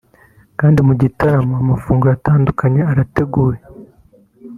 kandi mu gitaramo amafunguro atandukanye arateguye